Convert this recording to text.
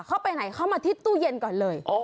เข้าไปไหนเข้ามาที่ตู้เย็นก่อนเลย